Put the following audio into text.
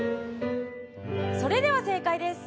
それでは正解です